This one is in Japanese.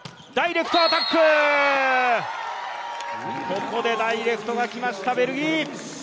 ここでダイレクトがきましたベルギー。